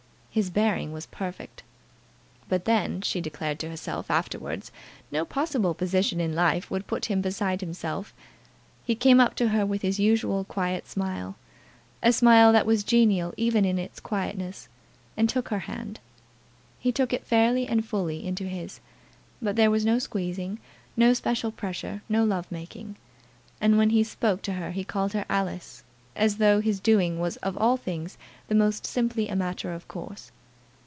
His bearing was perfect. But then, as she declared to herself afterwards, no possible position in life would put him beside himself. He came up to her with his usual quiet smile, a smile that was genial even in its quietness, and took her hand. He took it fairly and fully into his; but there was no squeezing, no special pressure, no love making. And when he spoke to her he called her Alice, as though his doing so was of all things the most simply a matter of course.